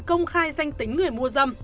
công khai danh tính người mua dâm